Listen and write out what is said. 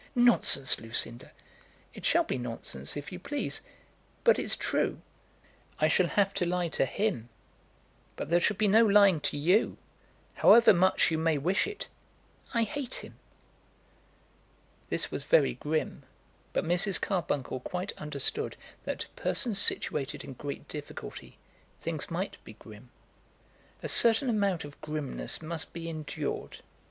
"Nonsense, Lucinda." "It shall be nonsense, if you please; but it's true. I shall have to lie to him, but there shall be no lying to you, however much you may wish it. I hate him!" This was very grim, but Mrs. Carbuncle quite understood that to persons situated in great difficulty things might be grim. A certain amount of grimness must be endured.